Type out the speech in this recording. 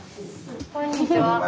こんにちは。